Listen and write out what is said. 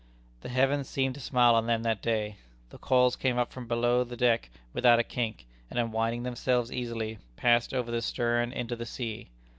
The heavens seemed to smile on them that day. The coils came up from below the deck without a kink, and unwinding themselves easily, passed over the stern into the sea.